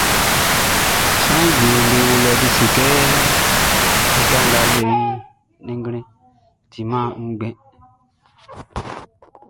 Sran uflɛ wieʼm be o lɛʼn, be se kɛ sika nga n le iʼn, ɔ ti nnɛn ngble, sanngɛ n lemɛn i nnɛn ngble.